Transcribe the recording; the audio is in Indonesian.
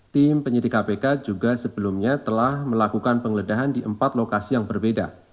tim penyidik kpk juga sebelumnya telah melakukan penggeledahan di empat lokasi yang berbeda